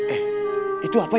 eh itu apa ya